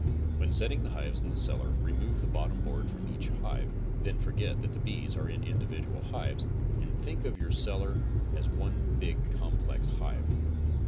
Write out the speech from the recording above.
When setting the hives in the cellar remove the bottom board from each hive; then forget that the bees are in individual hives, and think of your cellar as one big complex hive.